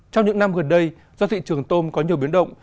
trong những năm gần đây do thị trường tôm có nhiều biến động